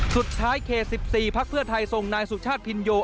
เขต๑๔พักเพื่อไทยส่งนายสุชาติพินโย